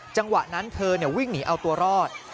จังหวะนั้นเธอวิ่งหนีเอาตัวรอด